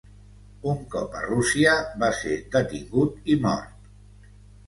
Un cop a Rússia, va ser detingut i mort.